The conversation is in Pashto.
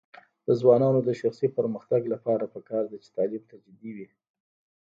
د ځوانانو د شخصي پرمختګ لپاره پکار ده چې تعلیم ته جدي وي.